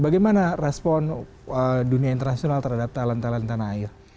bagaimana respon dunia internasional terhadap talent talent tanah air